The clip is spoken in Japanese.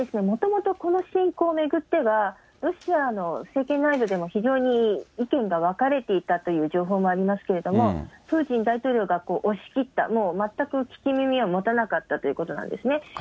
もともとこの侵攻を巡っては、ロシアの政権内部でも非常に意見が分かれていたという情報もありますけれども、プーチン大統領が押し切った、もう全く聞く耳を持たなかったということなんですね。